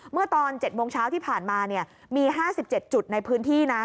เมื่อตอน๗โมงเช้าที่ผ่านมามี๕๗จุดในพื้นที่นะ